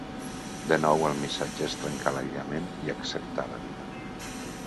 De nou el missatge és trencar l'aïllament i acceptar la vida.